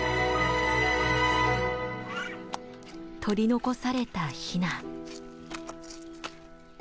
取り残されたヒナ。